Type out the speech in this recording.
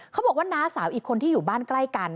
เขาบอกว่าน้าสาวอีกคนที่อยู่บ้านใกล้กัน